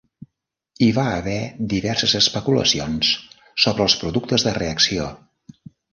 Hi va haver diverses especulacions sobre els productes de reacció.